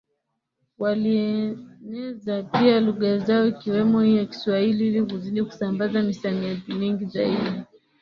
walieneza pia lugha zao ikiwemo hii ya Kiswahili ili kuzidi kusambaza misamiati mingi zaidi